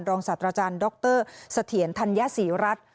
ศาสตราจารย์ดรเสถียรธัญศรีรัฐ